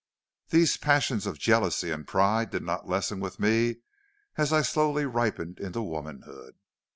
These passions of jealousy and pride did not lessen with me as I slowly ripened into womanhood.